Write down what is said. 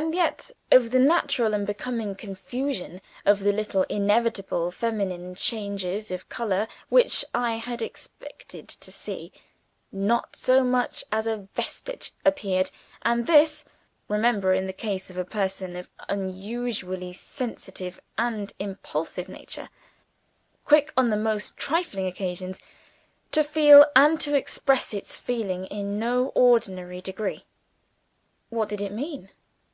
And yet, of the natural and becoming confusion, of the little inevitable feminine changes of color which I had expected to see, not so much as a vestige appeared and this, remember, in the case of a person of unusually sensitive and impulsive nature: quick, on the most trifling occasions, to feel and to express its feeling in no ordinary degree. What did it mean?